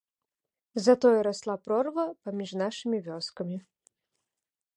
Затое расла прорва паміж нашымі вёскамі.